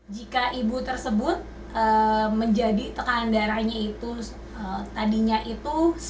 jika ibu tersebut menjadi tekanan darahnya itu tadinya itu satu ratus empat puluh